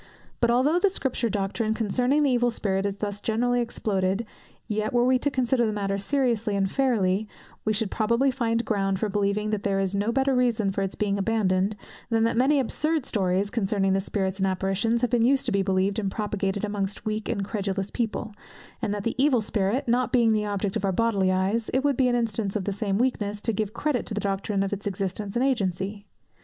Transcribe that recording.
But although the Scripture doctrine concerning the Evil Spirit is thus generally exploded, yet were we to consider the matter seriously and fairly, we should probably find ground for believing that there is no better reason for its being abandoned, than that many absurd stories, concerning spirits and apparitions, have been used to be believed and propagated amongst weak and credulous people; and that the Evil Spirit not being the object of our bodily eyes, it would be an instance of the same weakness to give credit to the doctrine of its existence and agency.